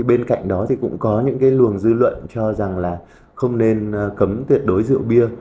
bên cạnh đó cũng có những luồng dư luận cho rằng không nên cấm tuyệt đối rượu bia